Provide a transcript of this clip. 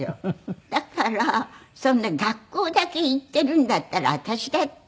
だからそんな学校だけ行っているんだったら私だって。